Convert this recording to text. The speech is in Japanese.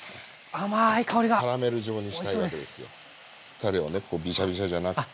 たれをねビシャビシャじゃなくて。